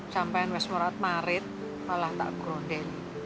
sampai wes murad marit malah tak bergurau